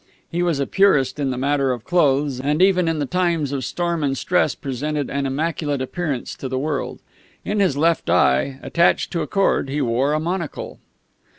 He was a purist in the matter of clothes, and even in times of storm and stress presented an immaculate appearance to the world. In his left eye, attached to a cord, he wore a monocle.